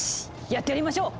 やってやりましょう！